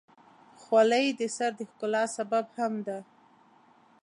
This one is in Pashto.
خولۍ د سر د ښکلا سبب هم ده.